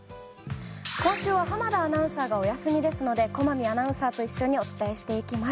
今週は濱田アナウンサーがお休みですので駒見アナウンサーと一緒にお伝えしていきます。